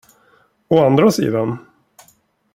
Å andra sidan.